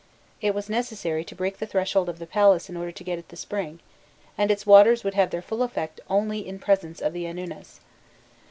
It was necessary to break the threshold of the palace in order to get at the spring, and its waters would have their full effect only in presence of the Anunnas.